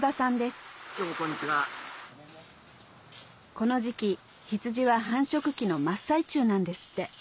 この時期羊は繁殖期の真っ最中なんですって